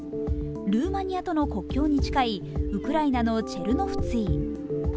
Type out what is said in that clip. ルーマニアとの国境に近いウクライナのチェルノツフィ。